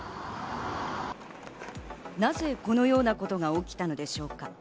なぜこのようなことが起きたんでしょうか。